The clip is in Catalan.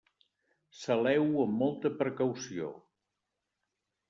Saleu-ho amb molta precaució.